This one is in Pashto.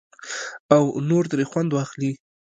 او نور ترې خوند واخلي.